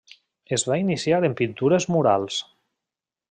Es va iniciar en pintures murals.